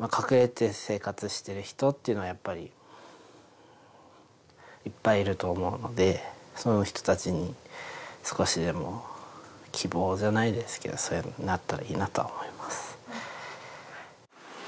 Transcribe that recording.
隠れて生活してる人っていうのはやっぱりいっぱいいると思うのでそういう人たちに少しでも希望じゃないですけどそういうふうになったらいいなとは思います